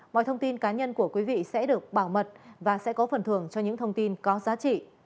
mọi thông tin cá nhân của quý vị sẽ được bảo mật và sẽ có phần thưởng cho những thông tin có giá trị